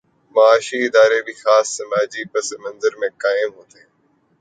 معاشی ادارے بھی خاص سماجی پس منظر میں قائم ہوتے ہیں۔